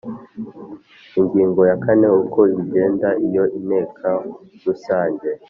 Ingingo ya kane Uko bigenda iyo Inteko Rusange